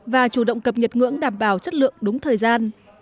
và chủ động cập nhật ngưỡng đảm bảo chất lượng đúng thời gian